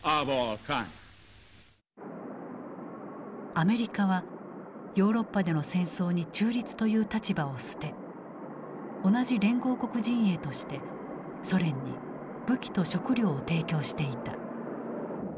アメリカはヨーロッパでの戦争に中立という立場を捨て同じ連合国陣営としてソ連に武器と食料を提供していた。